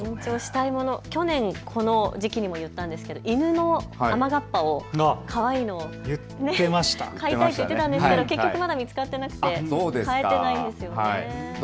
去年この時期にも言ったんですけれど犬の雨がっぱ、かわいいのを買いたいと言っていたんですけれども結局まだ見つかっていなくて買えていないんです。